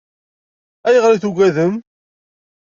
Ayɣer i tugadem?